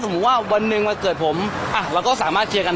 สมมุติว่าวันหนึ่งมาเกิดผมอ่ะเราก็สามารถเคียร์กัน